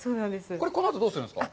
これ、このあと、どうするんですか。